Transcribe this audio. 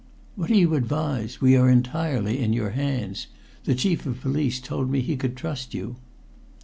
"What do you advise? We are entirely in your hands. The Chief of Police told me he could trust you."